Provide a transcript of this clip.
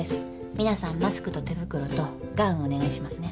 皆さんマスクと手袋とガウンお願いしますね。